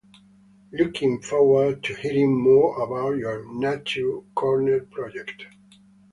Looking forward to hearing more about your nature corner project!